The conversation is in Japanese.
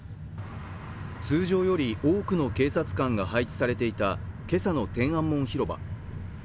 通常より多くの警察官が配置されていた今朝の天安門広場